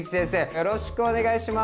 よろしくお願いします！